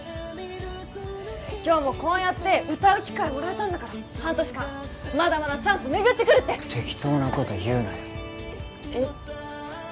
今日もこうやって歌う機会もらえたんだから半年間まだまだチャンスめぐってくるって適当なこと言うなよえっ？